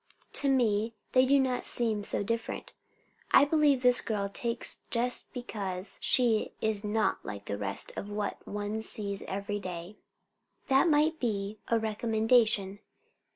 To me they do not seem so different. I believe this girl takes just because she is not like the rest of what one sees every day." "That might be a recommendation.